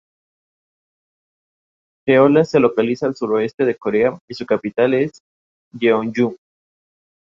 La línea del Palatinado-Neoburgo heredó el Estado.